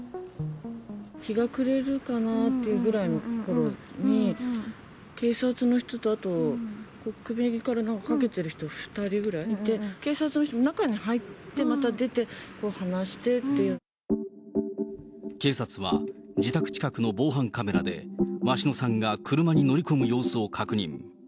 日が暮れるかなっていうぐらいのころに、警察の人と、あとこう、首からなんかかけてる人２人ぐらいいて、警察の人、中に入って、また出て、警察は、自宅近くの防犯カメラで、鷲野さんが車に乗り込む様子を確認。